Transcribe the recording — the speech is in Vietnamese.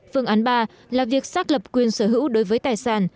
phương án ba là việc xác lập quyền sở hữu đối với tài sản